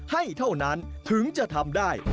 ให้เท่านั้นถึงจะทำได้